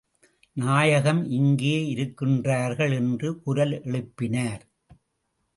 நாயகம் இங்கே இருக்கின்றார்கள் என்று குரல் எழுப்பினார்.